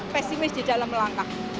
pesimis di dalam langkah